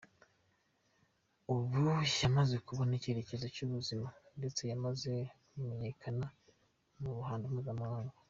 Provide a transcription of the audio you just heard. Ubu yamaze kubona icyerecyezo cy’ubuzima, ndetse yamaze kumenyekana mu ruhando mpuzamahanga.